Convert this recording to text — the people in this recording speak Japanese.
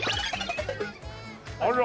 あら！